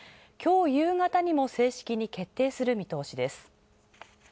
今日夕方にも正式に決定する見通しです。